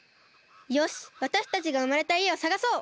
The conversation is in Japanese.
よしわたしたちがうまれたいえをさがそう！